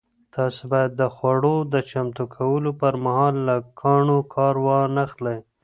تاسو باید د خوړو د چمتو کولو پر مهال له ګاڼو کار ونه اخلئ.